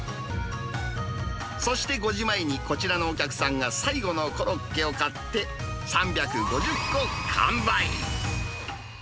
そして５時前に、こちらのお客さんが最後のコロッケを買って、３５０個完売。